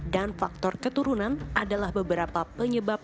dan faktor keturunan adalah beberapa penyebab